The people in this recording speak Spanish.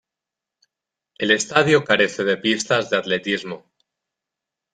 El estadio carece de pistas de atletismo.